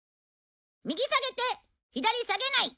右下げて左下げない！